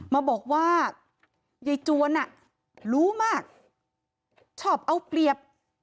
มาบอกว่ายายจวนรู้มากชอบเอาเปรียบ